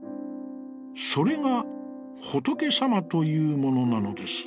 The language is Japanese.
それが、ホトケさまというものなのです。